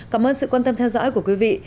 cảm ơn sự quan tâm theo dõi của quý vị